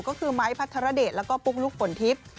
ก็คือไม้พัทรเดชแล้วก็ปุ๊กลุ๊กฝนทิพย์